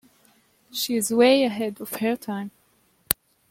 She is way ahead of her time.